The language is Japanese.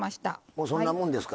もうそんなもんですか？